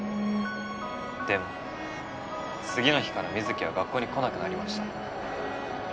でも次の日から水城は学校に来なくなりました。